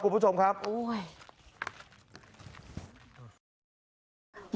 กลุ่มผู้ชมครับ